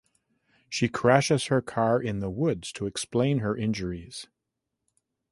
She crashes her car in the woods to explain her injuries.